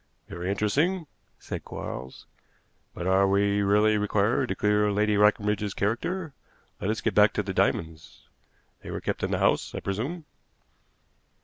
"Very interesting," said Quarles; "but are we really required to clear Lady Leconbridge's character? Let us get back to the diamonds. They were kept in the house, I presume?"